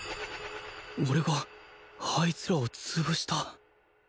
俺があいつらを潰した